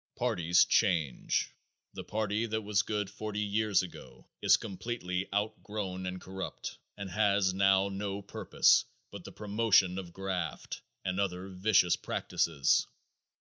Parties change. The party that was good forty years ago is completely outgrown and corrupt and has now no purpose but the promotion of graft and other vicious practices.